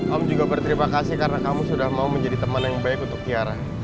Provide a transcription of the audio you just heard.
om juga berterima kasih karena kamu sudah mau menjadi teman yang baik untuk tiara